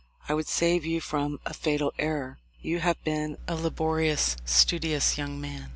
I would save you from a fatal error. You have been a laborious, studious young man.